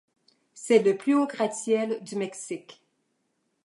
C'est le plus haut gratte-ciel du Mexique.